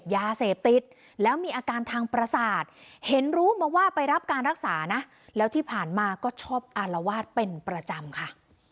ยาเสพติดแล้วมีอาการทางประสาทเห็นรู้มาว่าไปรับการรักษานะแล้วที่ผ่านมาก็ชอบอารวาสเป็นประจำค่ะ